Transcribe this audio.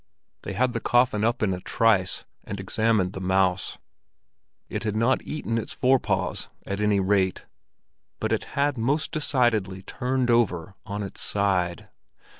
They had the coffin up in a trice, and examined the mouse. It had not eaten its forepaws, at any rate, but it had most decidedly turned over on its side.